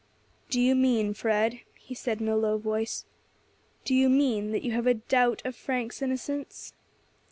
"Do you mean, Fred," he said, in a low voice, "do you mean that you have a doubt of Frank's innocence?"